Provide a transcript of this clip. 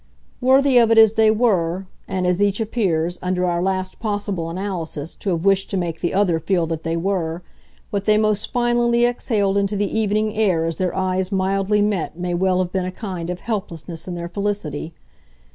Worthy of it as they were, and as each appears, under our last possible analysis, to have wished to make the other feel that they were, what they most finally exhaled into the evening air as their eyes mildly met may well have been a kind of helplessness in their felicity.